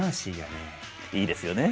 いいですよね。